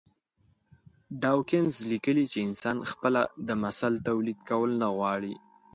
ډاوکېنز ليکلي چې انسان خپله د مثل توليد کول نه غواړي.